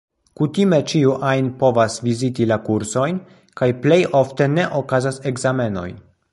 Kutime ĉiu ajn povas viziti la kursojn, kaj plejofte ne okazas ekzamenoj.